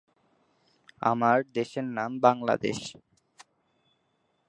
এ পৌরসভার প্রশাসনিক কার্যক্রম সোনাইমুড়ি থানার আওতাধীন।